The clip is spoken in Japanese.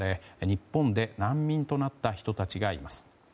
日本で難民となった人たちがいます。